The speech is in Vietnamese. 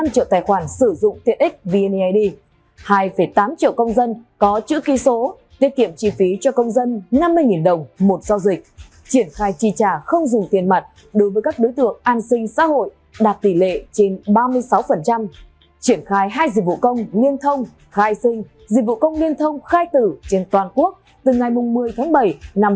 đạt tỷ lệ trên ba mươi sáu triển khai hai dịch vụ công nghiên thông khai sinh dịch vụ công nghiên thông khai tử trên toàn quốc từ ngày một mươi bảy hai nghìn hai mươi ba